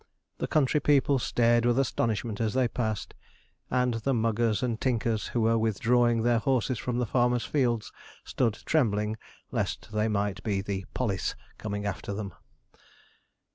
The country people stared with astonishment as they passed, and the muggers and tinkers, who were withdrawing their horses from the farmers' fields, stood trembling, lest they might be the 'pollis' coming after them.